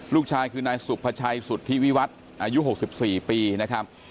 ลูกชายคือนายสุภาชัยสุธิวิวัฒน์อายุ๖๔ปีนะครับ